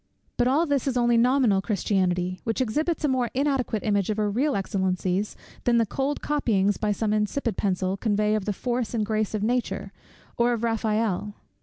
But all this is only nominal Christianity, which exhibits a more inadequate image of her real excellencies, than the cold copyings, by some insipid pencil, convey of the force and grace of Nature, or of Raphael.